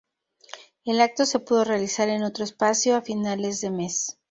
El acto se pudo realizar en otro espacio a finales de mes